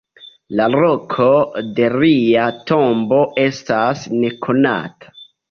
La loko de lia tombo estas nekonata.